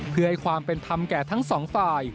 เพื่อให้ความเป็นธรรมแก่ทั้งสองฝ่าย